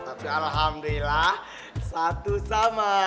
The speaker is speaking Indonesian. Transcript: tapi alhamdulillah satu sama